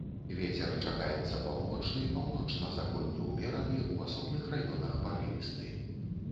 Вецер чакаецца паўночны, паўночна-заходні ўмераны, у асобных раёнах парывісты.